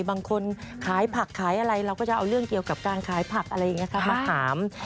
บางคนขายผักขายอะไรเราก็จะเอาเรื่องเกี่ยวกับการขายผักอะไรอย่างนี้ครับมาถาม